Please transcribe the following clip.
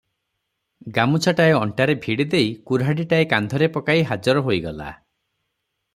ଗାମୁଛାଟାଏ ଅଣ୍ଟାରେ ଭିଡ଼ିଦେଇ କୁରାଢ଼ୀଟାଏ କାନ୍ଧରେ ପକାଇ ହାଜର ହୋଇଗଲା ।